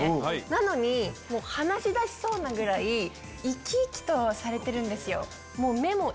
なのに話しだしそうなぐらい生き生きとされてるんですよ。